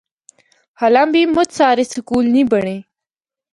حالاں بھی مُچ سارے سکول نیں بنڑے۔